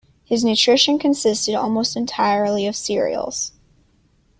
His nutrition consisted almost entirely of cereals.